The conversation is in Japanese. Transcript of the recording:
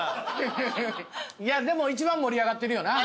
でも一番盛り上がってるよな